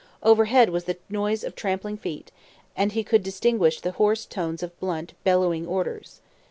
Overhead was the noise of trampling feet, and he could distinguish the hoarse tones of Blunt bellowing orders.